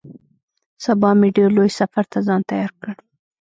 سبا مې ډېر لوی سفر ته ځان تيار کړ.